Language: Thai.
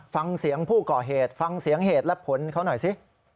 ฟังเสียงผู้ก่อเหตุฟังเสียงเหตุและผลเขาหน่อยสิ